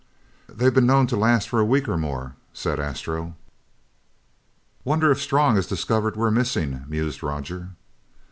"They've been known to last for a week or more," said Astro. "Wonder if Strong has discovered we're missing?" mused Roger.